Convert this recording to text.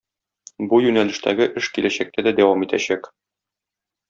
Бу юнәлештәге эш киләчәктә дә дәвам итәчәк.